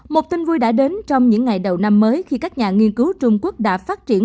một tin vui đã đến trong những ngày đầu năm mới khi các nhà nghiên cứu trung quốc đã phát triển